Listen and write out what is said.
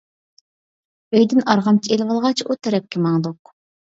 ئۆيدىن ئارغامچا ئېلىۋالغاچ ئۇ تەرەپكە ماڭدۇق.